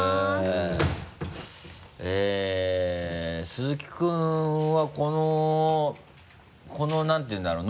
鈴木君はこの何ていうんだろう？